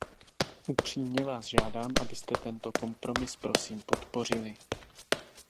Upřímně vás žádám, abyste tento kompromis prosím podpořili.